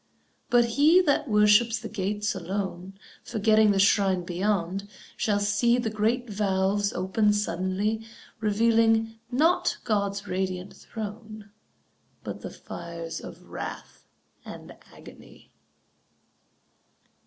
But he that worships the gates alone, Forgetting the shrine beyond, shall see The great valves open suddenly, Revealing, not God's radiant throne, But the fires of wrath and agony.